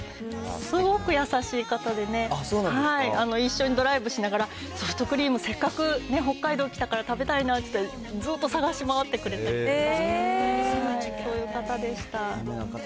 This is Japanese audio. すごく優しい方でね、一緒にドライブしながら、ソフトクリーム、せっかく北海道来たから食べたいなって、ずっと探し回ってくれたり、そういう方でした。